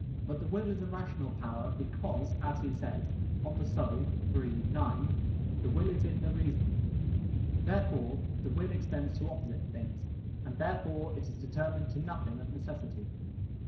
But the will is a rational power, because, as he says (De Anima iii, 9), "the will is in the reason." Therefore the will extends to opposite things, and therefore it is determined to nothing of necessity.